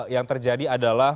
yang terjadi adalah